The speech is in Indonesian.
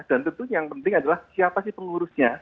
dan tentunya yang penting adalah siapa sih pengurusnya